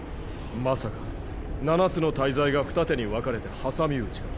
まさか七つの大罪がふた手に分かれて挟み撃ちか？